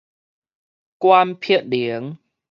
管碧玲